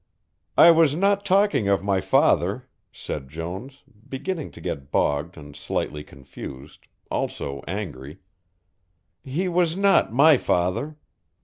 "I was not talking of my father," said Jones, beginning to get bogged and slightly confused, also angry, "he was not my father.